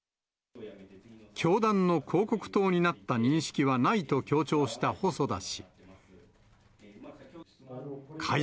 教団の広告塔になった認識はないと強調した細田氏。